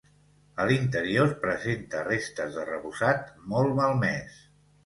A l'interior presenta restes d'arrebossat molt malmès.